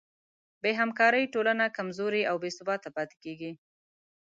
بېهمکارۍ ټولنه کمزورې او بېثباته پاتې کېږي.